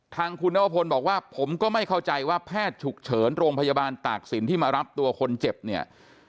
ทางคุณนวพลบอกว่าผมก็ไม่เข้าใจว่าแพทย์ฉุกเฉินโรงพยาบาลตากศิลป์ที่มารับตัวคนเจ็บเนี่ย